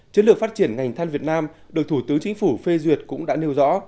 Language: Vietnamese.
chiến lược phát triển ngành than việt nam được thủ tướng chính phủ phê duyệt cũng đã nêu rõ